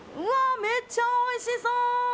めっちゃおいしそう！